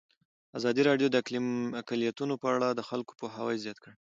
ازادي راډیو د اقلیتونه په اړه د خلکو پوهاوی زیات کړی.